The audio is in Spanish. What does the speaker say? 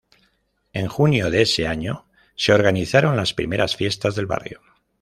En junio de ese año se organizaron las primeras fiestas del barrio.